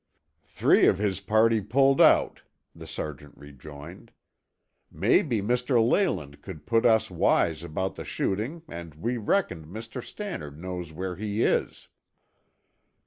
"Three of his party pulled out," the sergeant rejoined. "Maybe Mr. Leyland could put us wise about the shooting and we reckoned Mr. Stannard knows where he is."